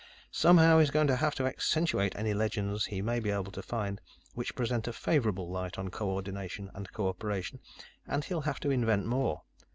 "Somehow, he's going to have to accentuate any legends he may be able to find which present a favorable light on co ordination and co operation, and he'll have to invent more.